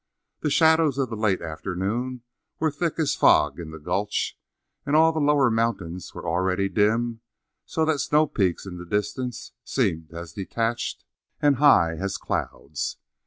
The shadows of the late afternoon were thick as fog in the gulch, and all the lower mountains were already dim so that the snow peaks in the distance seemed as detached, and high as clouds.